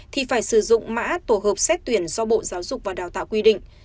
thì phải sử dụng mã tổ hợp xét tuyển do bộ giáo dục và đào tạo quy định